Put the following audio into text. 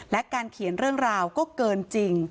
และการเขียนเรื่องราวก็เกินจริง